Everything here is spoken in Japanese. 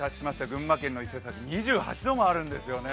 群馬県伊勢崎市２８度もあるんです。